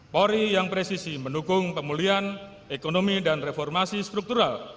polri yang presisi mendukung pemulihan ekonomi dan reformasi struktural